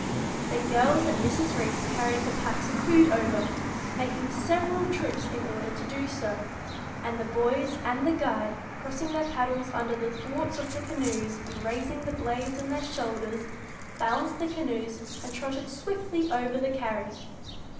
The girls and Mrs. Reece carried the packs and food over, making several trips in order to do so; and the boys and the guide, crossing their paddles under the thwarts of the canoes and raising the blades on their shoulders, balanced the canoes and trotted swiftly over the carry.